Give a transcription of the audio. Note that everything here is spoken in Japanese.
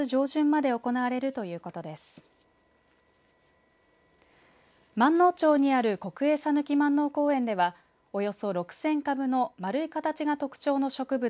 まんのう町にある国営讃岐まんのう公園ではおよそ６０００株の丸い形が特徴の植物